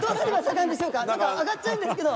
なんか上がっちゃうんですけど。